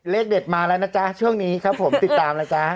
เลขเด็ดมาแล้วนะจ๊ะช่วงนี้ครับผมติดตามนะจ๊ะ